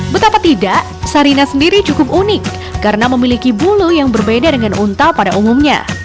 betapa tidak sarina sendiri cukup unik karena memiliki bulu yang berbeda dengan unta pada umumnya